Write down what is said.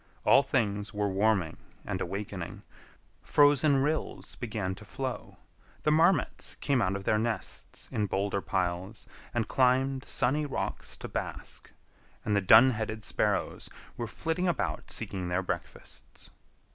All things were warming and awakening. Frozen rills began to flow, the marmots came out of their nests in boulder piles and climbed sunny rocks to bask, and the dun headed sparrows were flitting about seeking their breakfasts.